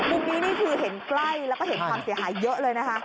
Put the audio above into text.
อันนี้โอ้โหมุมนี้คือเห็นใกล้แล้วก็เห็นความเสียหายเยอะเลยนะฮะ